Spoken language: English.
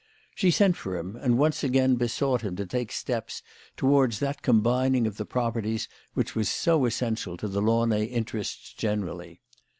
She sent for him and once again besought him to take steps towards that combining of the properties which was so essential to the Launay interests generally.